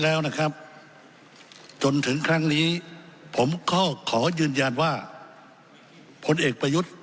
แล้วนะครับจนถึงครั้งนี้ผมก็ขอยืนยันว่าพลเอกประยุทธ์